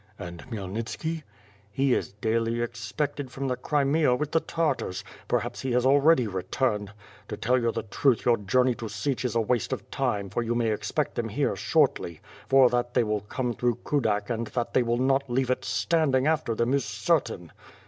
"And Khmyelnitski?'' "He is daily expected from the Crimea with the Tartars; perhaps he has already returned. To tell the truth your journey to Sich is waste of time for you may expect them here shortly; for that they will come through Kudak and that they will not leave it standing after them is certain.''